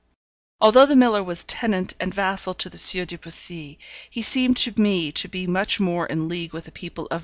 Although the miller was tenant and vassal to the Sieur de Poissy, he seemed to me to be much more in league with the people of M.